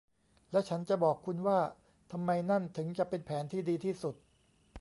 และฉันจะบอกคุณว่าทำไมนั่นถึงจะเป็นแผนที่ดีที่สุด